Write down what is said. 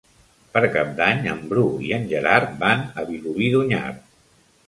Per Cap d'Any en Bru i en Gerard van a Vilobí d'Onyar.